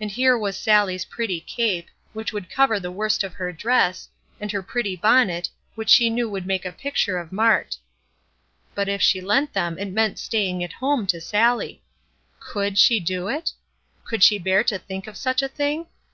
And here was Sallie's pretty cape, which would cover the worst of her dress, and her pretty bonnet, which she knew would make a picture of Mart; but if she lent them it meant staying at home to Sallie. Could she do it? Could she bear to think of such a thing?